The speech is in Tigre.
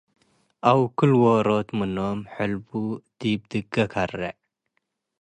አው ክል-ዎሮት ምኖም ሕልቡ ዲብ ድጌ ከሬዕ ።